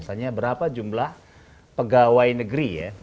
misalnya berapa jumlah pegawai negeri ya